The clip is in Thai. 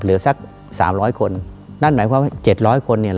เหลือสัก๓๐๐คน